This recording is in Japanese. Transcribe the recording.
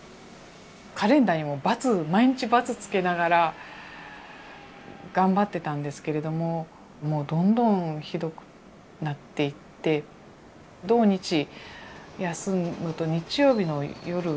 カレンダーにバツ毎日バツつけながら頑張ってたんですけれどももうどんどんひどくなっていって土日休むと日曜日の夜って最悪なんですよね。